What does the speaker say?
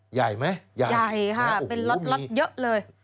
ใหญ่ไหมใหญ่เป็นรถเยอะเลยนะโอ้โฮมีนี้